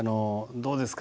どうですか？